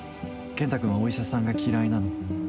健太くんはお医者さんが嫌いなの？